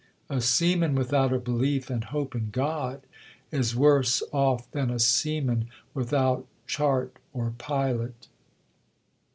A seaman without a belief and hope in God, is worse off than a seaman without chart or pilot.'